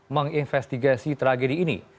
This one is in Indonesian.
menginvestigasi tragedi ini